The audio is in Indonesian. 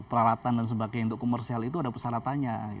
peralatan dan sebagainya untuk komersial itu ada persyaratannya